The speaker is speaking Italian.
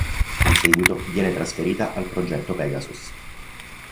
In seguito viene trasferita al Progetto Pegasus.